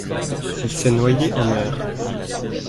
il s'est noyé en mer.